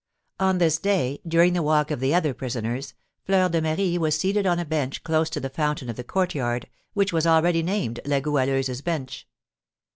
On this day, during the walk of the other prisoners, Fleur de Marie was seated on a bench close to the fountain of the courtyard, which was already named "La Goualeuse's Bench."